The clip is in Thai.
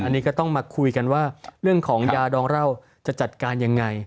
อันนี้ก็ต้องมาคุยกันว่าเรื่องของยาดองเหล้าจะจัดการยังไง